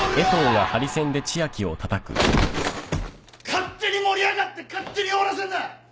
勝手に盛り上がって勝手に終わらせんな！